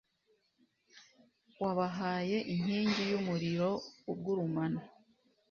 wabahaye inkingi y'umuriro, ugurumana